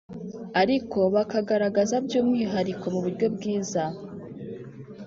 ariko bakagaragaza by umwihariko mu buryo bwiza